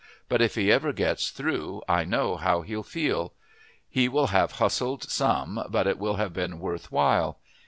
But if he ever gets through I know how he'll feel. He will have hustled some, but it will have been worth while.